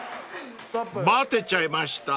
［バテちゃいました？］